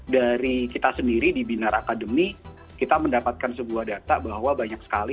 dari kita sendiri di binar academy kita mendapatkan sebuah data bahwa banyak sekali